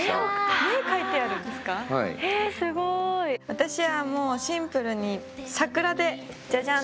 私はもうシンプルに桜でじゃじゃん。